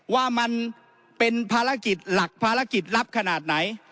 ว่ามันเป็นภารกิจหลักภารกิจลับขนาดไหน